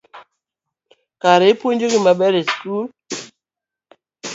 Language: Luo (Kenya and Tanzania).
Kare ipuonjogi maber e sikul